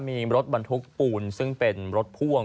มีรถบรรทุกปูนซึ่งเป็นรถพ่วง